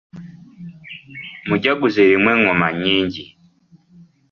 Mujaguzo erimu engoma nnyingi.